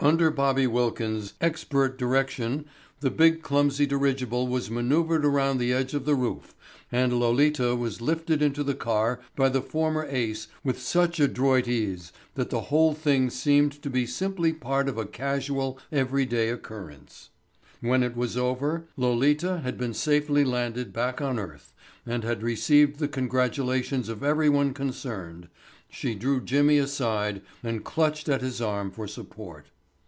Under Bobby Wilkins' expert direction the big clumsy dirigible was manoeuvred around the edge of the roof and Lolita was lifted into the car by the former ace with such adroit ease that the whole thing seemed to be simply part of a casual everyday occurrence. When it was over Lolita had been safely landed back on earth and had received the congratulations of everyone concerned, she drew Jimmy aside and clutched at his arm for support.